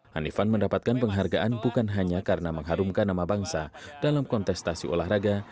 hanifan mendapatkan penghargaan bukan hanya karena mengharumkan nama bangsa dalam kontestasi olahraga